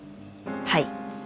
はい。